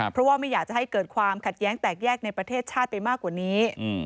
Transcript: เพราะว่าไม่อยากจะให้เกิดความขัดแย้งแตกแยกในประเทศชาติไปมากกว่านี้